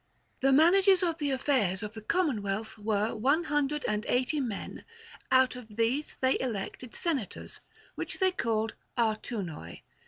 The managers of the affairs of the common wealth were one hundred and eighty men ; out of these they elected senators, which they called άρτυνοι.